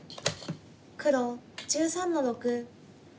黒１３の六。